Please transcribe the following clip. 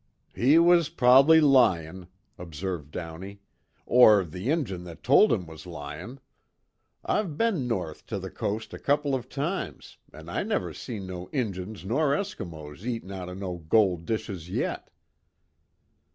"He was prob'ly lyin'," observed Downey, "or the Injun that told him was lyin'. I've be'n north to the coast a couple of times, an' I never seen no Injuns nor Eskimos eatin' out of no gold dishes yet."